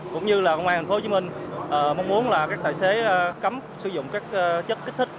cũng như là công an tp hcm mong muốn là các tài xế cấm sử dụng các chất kích thích